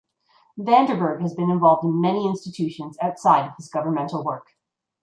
Van der Burg has been involved in many institutions outside of his governmental work.